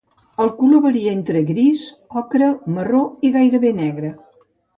El color varia entre gris, ocre, marró i gairebé negre.